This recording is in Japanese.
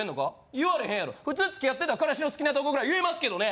言われへんやろ普通付き合ってたら彼氏の好きなとこぐらい言えますけどね